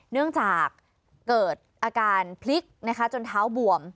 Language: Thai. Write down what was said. เนื่องจากเกิดอาการพลิกนะคะจนเท้าบวม